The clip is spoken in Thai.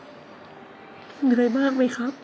เหนื่อยมากไหมครับ